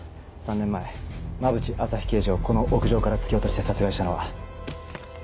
３年前馬淵朝陽刑事をこの屋上から突き落として殺害したのは。